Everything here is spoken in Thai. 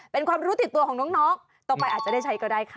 เป็นความรู้ติดตัวของน้องต่อไปอาจจะได้ใช้ก็ได้ค่ะ